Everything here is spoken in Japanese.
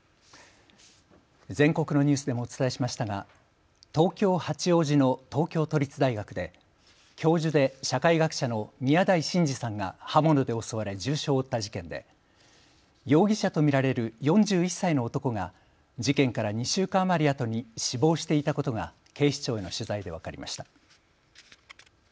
全国のニュースでもお伝えしましたが東京八王子の東京都立大学で教授で社会学者の宮台真司さんが刃物で襲われ重傷を負った事件で容疑者と見られる４１歳の男が事件から２週間余りあとに死亡していたことが警視庁への取材で分かりました。